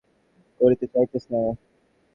তুমি কিন্তু পরব্রহ্ম বিষয়ে এই প্রশ্ন করিতে চাহিতেছ।